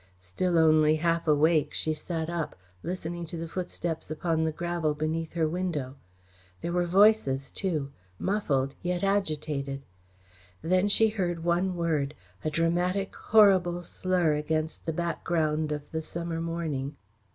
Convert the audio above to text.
Still only half awake, she sat up, listening to the footsteps upon the gravel beneath her window. There were voices too, muffled, yet agitated. Then she heard one word a dramatic, horrible slur against the background of the summer morning.